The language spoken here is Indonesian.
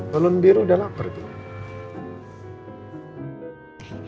balon biru udah lapar tuh